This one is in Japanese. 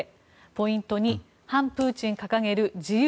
ポイント２、反プーチン掲げる自由